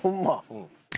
うん。